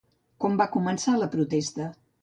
Com va començar la protesta?